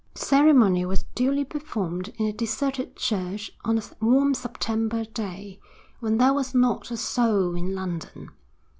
The ceremony was duly performed in a deserted church on a warm September day, when there was not a soul in London.